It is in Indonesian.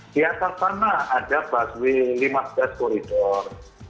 di atas sana ada busway lima bus corridor